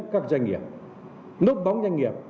các doanh nghiệp